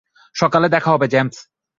সকালে দেখা হবে, জেমস।